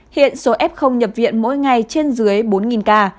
hiện số f không nhập viện mỗi ngày trên dưới bốn ca